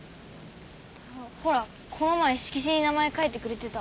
ほらこの前色紙に名前書いてくれてた。